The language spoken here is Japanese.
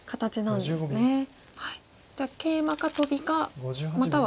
じゃあケイマかトビかまたは。